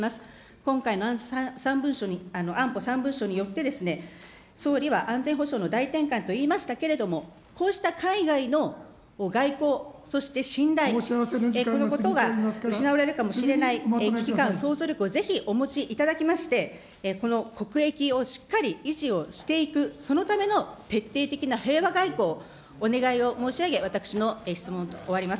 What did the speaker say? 今回の安保３文書によって、総理は安全保障の大転換と言いましたけれども、こうした海外の外交、そして信頼、このことが失われるかもしれない危機感、想像力をぜひお持ちいただきまして、この国益をしっかり維持をしていく、そのための徹底的な平和外交、お願いを申し上げ、私の質問を終わります。